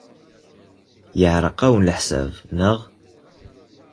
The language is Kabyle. Yeɛreq-awen leḥsab, naɣ?